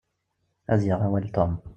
Ad yaɣ awal Tom.